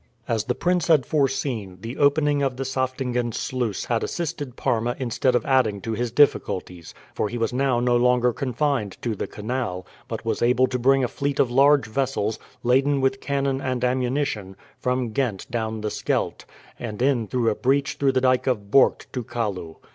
As the prince had foreseen, the opening of the Saftingen sluice had assisted Parma instead of adding to his difficulties; for he was now no longer confined to the canal, but was able to bring a fleet of large vessels, laden with cannon and ammunition, from Ghent down the Scheldt, and in through a breach through the dyke of Borght to Kalloo.